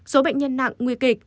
số bệnh nhân nặng nguy kịch